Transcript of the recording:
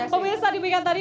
pemirsa di pinggirkan tadi